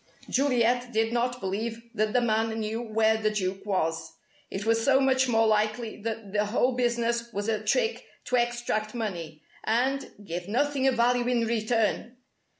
Juliet did not believe that the man knew where the Duke was. It was so much more likely that the whole business was a trick to extract money and give nothing of value in return!